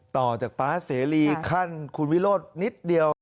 ต่อจากป๊าเสรีขั้นคุณวิโรธนิดเดียว